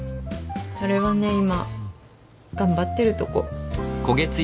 それはね今頑張ってるとこ。